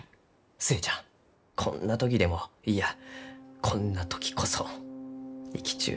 寿恵ちゃんこんな時でもいやこんな時こそ生きちゅう